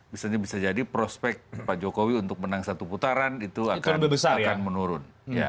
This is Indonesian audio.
misalnya bisa jadi prospek pak jokowi untuk menang satu putaran itu akan menurun